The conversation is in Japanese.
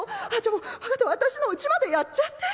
もうあなた私のうちまでやっちゃって。